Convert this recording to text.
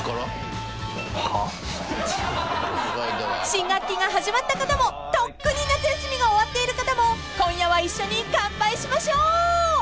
［新学期が始まった方もとっくに夏休みが終わっている方も今夜は一緒に乾杯しましょう］